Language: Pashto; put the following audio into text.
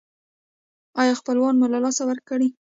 ایا خپلوان مو له لاسه ورکړي؟